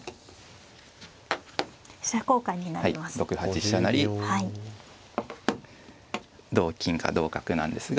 ６八飛車成同金か同角なんですが。